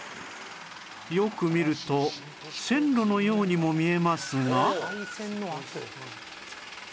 よく見ると線路のようにも見えますが